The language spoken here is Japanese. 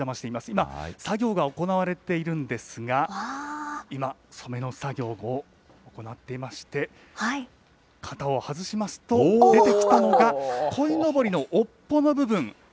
今、作業が行われているんですが、今、染めの作業を行っていまして、型を外しますと、出てきたのが、こいのぼりの尾っぽの部分。